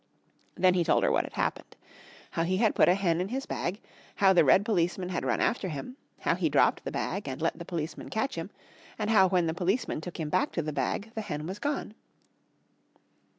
Then he told her what had happened. How he had put a hen in his bag, how the red policeman had run after him, how he dropped the bag and let the policeman catch him, and how when the policeman took him back to the bag, the hen was gone.